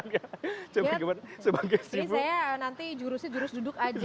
iya jadi saya nanti jurusnya jurus duduk aja